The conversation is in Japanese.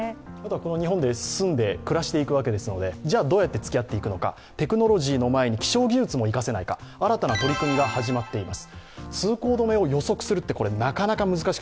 日本で住んで暮らしていくわけですので、どうやってつきあっていくのか、テクノロジーの前に気象技術も生かせないか、新たな取り組みが始まっています。